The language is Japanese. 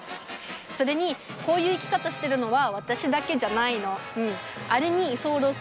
それにこういう生き方してるのは私だけじゃないの。